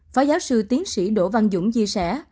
phó giáo sư tiến sĩ đỗ văn dũng chia sẻ